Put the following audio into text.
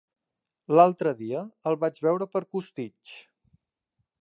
L'altre dia el vaig veure per Costitx.